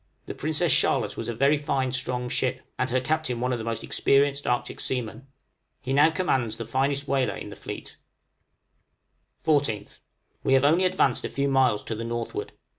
The 'Princess Charlotte' was a very fine, strong ship, and her captain one of the most experienced Arctic seamen. He now commands the finest whaler in the fleet. {SUPPLY OF PROVISIONS.} 14th. We have only advanced a few miles to the northward.